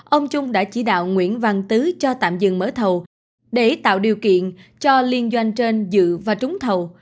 ông trung đã chỉ đạo nguyễn văn tứ cho tạm dừng mở thầu để tạo điều kiện cho liên doanh trên dự và trúng thầu